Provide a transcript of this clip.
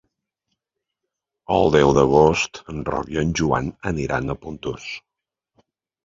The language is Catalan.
El deu d'agost en Roc i en Joan aniran a Pontós.